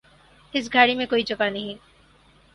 اس گاڑی میں کوئی جگہ نہیں